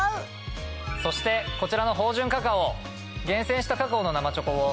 そしてこちらの芳醇カカオ。